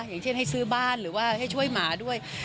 อย่างเช่นให้ซื้อบ้านหรือว่าให้ช่วยหมาด้วย